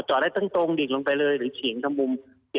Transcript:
เจาะได้ตรงดิ่งลงไปเลยหรือเฉียงทั้งมุม